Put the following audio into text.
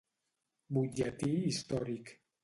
Butlletí històric.